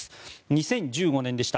２０１５年でした。